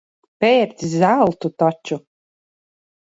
Pērc zeltu taču.